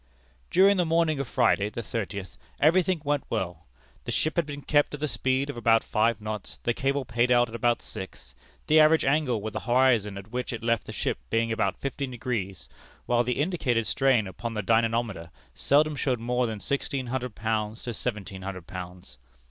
"During the morning of Friday, the thirtieth, every thing went well; the ship had been kept at the speed of about five knots, the cable paid out at about six, the average angle with the horizon at which it left the ship being about fifteen degrees, while the indicated strain upon the dynamometer seldom showed more than sixteen hundred pounds to seventeen hundred pounds.